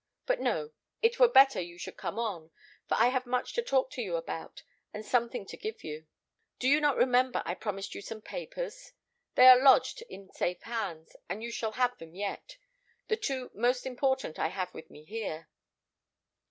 But no; it were better you should come on, for I have much to talk to you about, and something to give you. Do you not remember I promised you some papers? They are lodged in safe hands, and you shall have them yet. The two most important I have with me here."